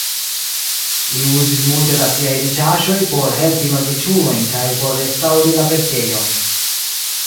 Li uzis multe da siaj riĉaĵoj por helpi malriĉulojn kaj por restaŭri la preĝejon.